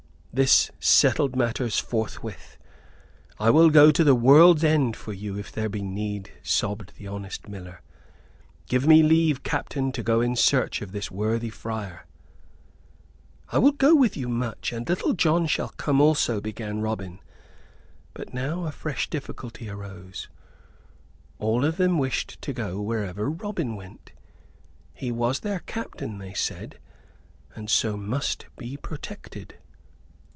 This settled matters forthwith. "I will go to the world's end for you, if there be need," sobbed the honest miller. "Give me leave, captain, to go in search of this worthy friar." "I will go with you, Much, and Little John shall come also," began Robin; but now a fresh difficulty arose. All of them wished to go wherever Robin went; he was their captain, they said, and so must be protected.